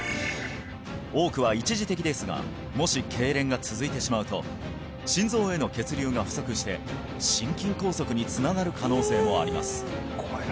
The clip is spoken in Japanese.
多くは一時的ですがもしけいれんが続いてしまうと心臓への血流が不足して心筋梗塞につながる可能性もあります